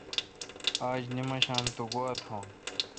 آج نمشام تو گوا تھون۔